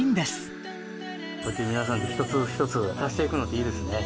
こうやって皆さんで一つ一つ足していくのっていいですね